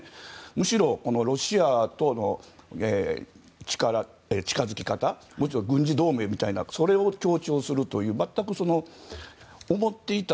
むしろロシアとの近づき方軍事同盟みたいなそれを強調するという全く思っていた。